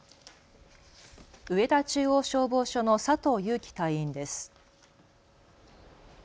上田中央消防署の佐藤優樹隊員です。